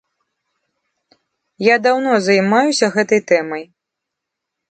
Я даўно займаюся гэтай тэмай.